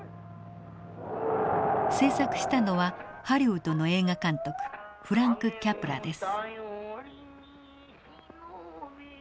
製作したのはハリウッドの映画監督フランク・キャプラです。